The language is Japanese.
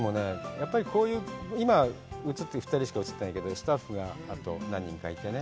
やっぱりこういう今２人しか映ってないけどスタッフがあと何人かいてね